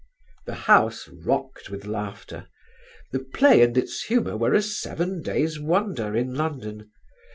The house rocked with laughter. The play and its humour were a seven days' wonder in London.